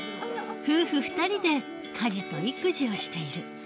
夫婦２人で家事と育児をしている。